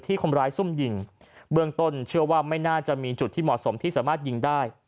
ที่คมร้ายซุ่มหญิง